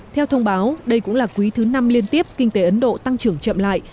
theo thông báo đây cũng là quý thứ năm liên tiếp kinh tế ấn độ tăng trưởng chậm lại